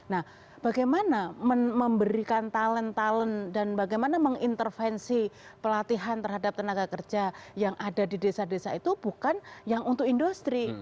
nah bagaimana memberikan talent talent dan bagaimana mengintervensi pelatihan terhadap tenaga kerja yang ada di desa desa itu bukan yang untuk industri